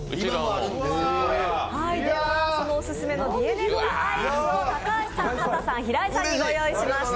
そのオススメのビエネッタアイスを高橋さん、畑さんにご用意しました。